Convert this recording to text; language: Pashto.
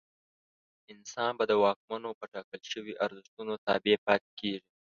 انسان به د واکمنو په ټاکل شویو ارزښتونو تابع پاتې کېږي.